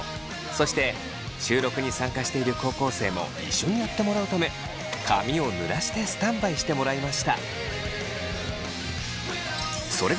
そして収録に参加している高校生も一緒にやってもらうため髪を濡らしてスタンバイしてもらいました。